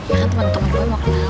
ya kan temen temen gue mau kenalan